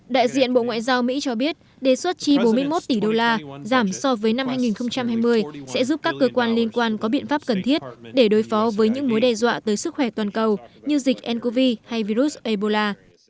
đại diện bộ ngoại giao mỹ cho biết đề xuất chi bốn mươi một tỷ đô la giảm so với năm hai nghìn hai mươi sẽ giúp các cơ quan liên quan có biện pháp cần thiết để đối phó với những mối đe dọa tới sức khỏe toàn cầu như dịch ncov hay virus ebola